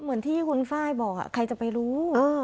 เหมือนที่คุณไฟล์บอกใครจะไปรู้